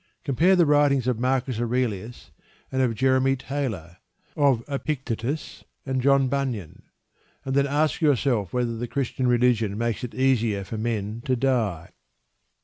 Compare the writings of Marcus Aurelius and of Jeremy Taylor, of Epictetus and John Bunyan, and then ask yourself whether the Christian religion makes it easier for men to die.